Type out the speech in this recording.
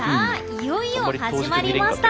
いよいよ始まりました！